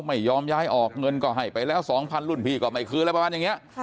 ไม่ยอมย้ายออกเงินก็ให้ไปแล้ว๒๐๐รุ่นพี่ก็ไม่คืนอะไรประมาณอย่างนี้